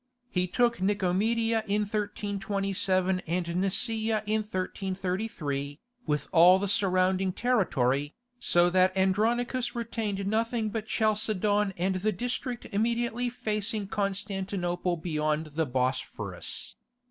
He took Nicomedia in 1327 and Nicaea in 1333, with all the surrounding territory, so that Andronicus retained nothing but Chalcedon and the district immediately facing Constantinople beyond the Bosphorus.